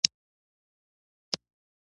چاکلېټ د نارنج سره خوند کوي.